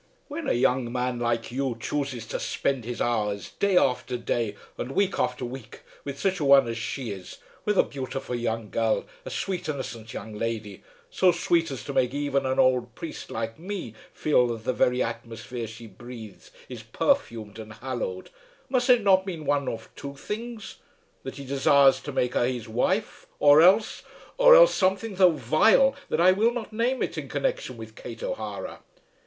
When a young man like you chooses to spend his hours day after day and week after week with such a one as she is, with a beautiful young girl, a sweet innocent young lady, so sweet as to make even an ould priest like me feel that the very atmosphere she breathes is perfumed and hallowed, must it not mean one of two things; that he desires to make her his wife or else, or else something so vile that I will not name it in connection with Kate O'Hara?